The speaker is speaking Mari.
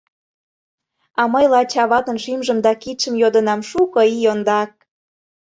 А мый лач аватын шӱмжым да кидшым йодынам шуко ий ондак.